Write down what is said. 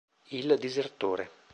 Il disertore